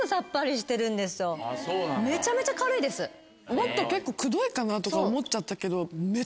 もっと結構くどいかなとか思っちゃったけど。